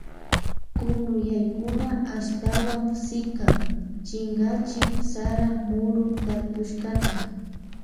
Kunuyaykuna ashtawan sikan chinkachin sara muru tarpushkata.